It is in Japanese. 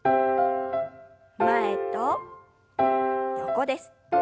前と横です。